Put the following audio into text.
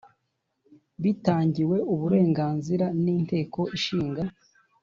Bitangiwe uburenganzira n’Inteko Ishinga